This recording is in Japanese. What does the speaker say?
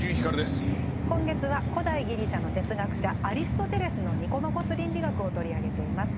今月は古代ギリシャの哲学者アリストテレスの「ニコマコス倫理学」を取り上げています。